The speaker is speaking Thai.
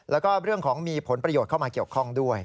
แล้วก็เรื่องของมีผลประโยชน์เข้ามาเกี่ยวข้องด้วย